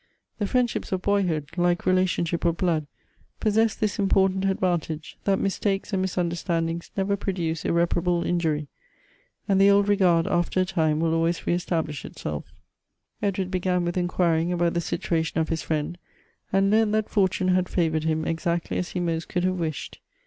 The friendships of boyhood, like relationship of blood, possess this important advantage, that mistakes and mis understandings never produce irreparable injury ; and the old regard after a time will always re establish itself Edward began with inquiring about the situation of his fiiend, and learnt that fortune had favored him exactly as he most could have wished.